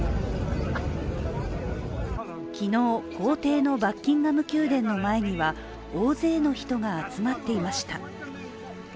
昨日、公邸のバッキンガム宮殿の前には、大勢の人が集まっていました。